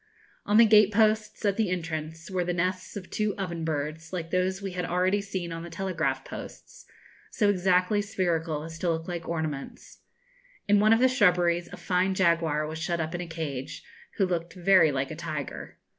On the gate posts, at the entrance, were the nests of two oven birds, like those we had already seen on the telegraph posts, so exactly spherical as to look like ornaments. In one of the shrubberies a fine jaguar was shut up in a cage, who looked very like a tiger.